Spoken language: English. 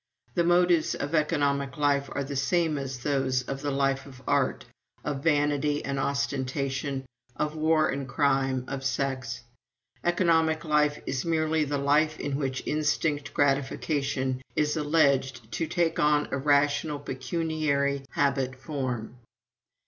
_ The motives of economic life are the same as those of the life of art, of vanity and ostentation, of war and crime, of sex. Economic life is merely the life in which instinct gratification is alleged to take on a rational pecuniary habit form.